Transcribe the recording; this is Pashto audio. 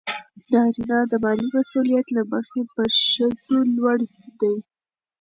نارینه د مالي مسئولیت له مخې پر ښځو لوړ دی.